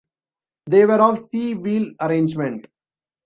They were of C wheel arrangement.